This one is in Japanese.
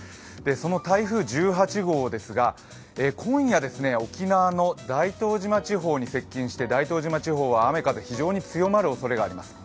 その台風１８号ですが今夜沖縄の大東島地方に接近して大東島地方は雨・風、非常に強まるおそれがあります。